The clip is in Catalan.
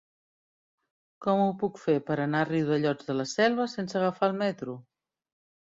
Com ho puc fer per anar a Riudellots de la Selva sense agafar el metro?